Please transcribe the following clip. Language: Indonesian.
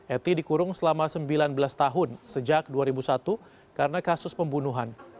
eti dikurung selama sembilan belas tahun sejak dua ribu satu karena kasus pembunuhan